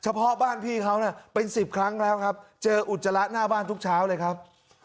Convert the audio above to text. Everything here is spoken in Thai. เพาะบ้านพี่เขาน่ะเป็น๑๐ครั้งแล้วครับเจออุจจาระหน้าบ้านทุกเช้าเลยครับ